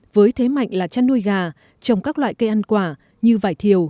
với thế mạnh là chăn nuôi gà trồng các loại cây ăn quả như vải thiều